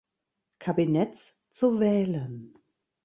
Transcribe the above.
Kabinetts zu wählen.